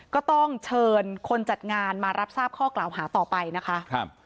ก็ต้องเชิญคนจัดงานมารับทราบข้อกล่าวหาต่อไปนะคะ